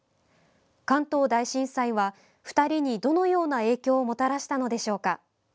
関東大震災は２人にどのような影響をもたらしたのでしょうか。